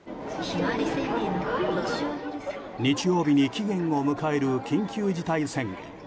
日曜日に期限を迎える緊急事態宣言。